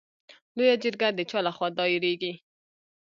لویه جرګه د چا له خوا دایریږي؟